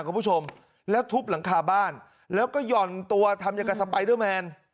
กับผู้ชมแล้วทุบหลังคาบ้านแล้วก็หย่อนตัวทำยังไงกับ